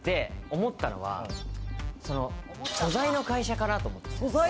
思ったのは素材の会社かなと思って。